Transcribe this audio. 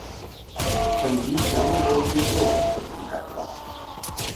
本级全部都接受了这种改造。